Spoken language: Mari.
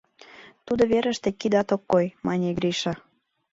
— Тудо верыште кидат ок кой, — мане Гриша.